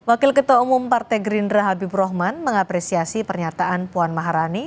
wakil ketua umum partai gerindra habibur rahman mengapresiasi pernyataan puan maharani